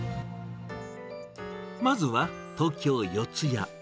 まずは東京・四谷。